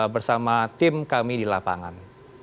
bersama tim kami di lapangan